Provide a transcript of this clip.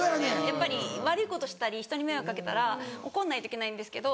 やっぱり悪いことしたり人に迷惑かけたら怒んないといけないんですけど